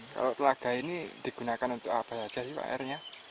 kalau telaga ini digunakan untuk apa aja sih pak airnya